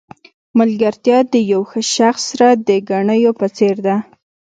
ملګرتیا د یو ښه شخص سره د ګنیو په څېر ده.